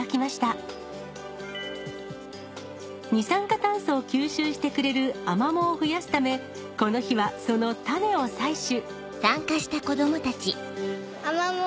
二酸化炭素を吸収してくれるアマモを増やすためこの日はその種を採取。